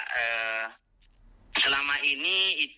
hai selama ini